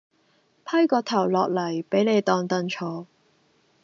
批個頭落嚟俾你當櫈坐